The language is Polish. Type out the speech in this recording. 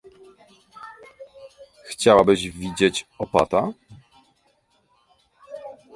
"Chciałabyś widzieć opata?"